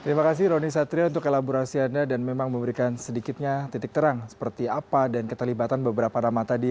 terima kasih roni satria untuk elaborasi anda dan memang memberikan sedikitnya titik terang seperti apa dan keterlibatan beberapa nama tadi